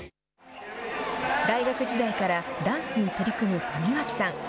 大学時代からダンスに取り組む上脇さん。